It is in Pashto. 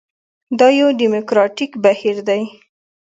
دا یو ډیموکراټیک بهیر دی.